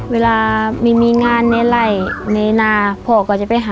เวลามีงานในไร่ในนาพวกก็จะเป็นอะไร